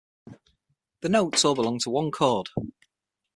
The notes all belong to one chord.